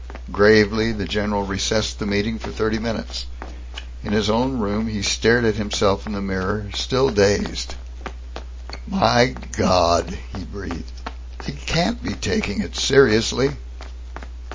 Gravely the general recessed the meeting for thirty minutes. In his own room, he stared at himself in the mirror, still dazed. "My God!" he breathed. "They can't be taking it seriously!"